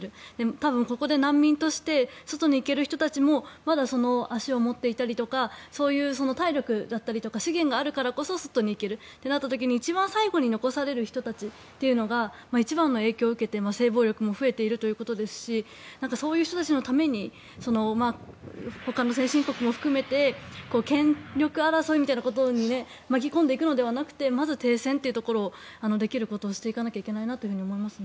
多分、ここで難民として外に行ける人たちもまだその足を持っていたりとかそういう体力だったりとか資源があるからこそ外に行けるとなった時に一番最後に残される人たちというのが一番の影響を受けて、性暴力も増えているということですしそういう人たちのためにほかの先進国も含めて権力争いみたいなことに巻き込んでいくのではなくてまず停戦というところをできることをしていかなくてはいけないなと思います。